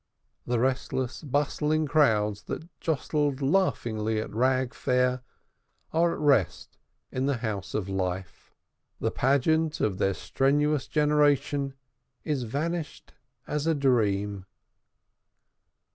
The restless, bustling crowds that jostled laughingly in Rag Fair are at rest in the "House of Life;" the pageant of their strenuous generation is vanished as a dream.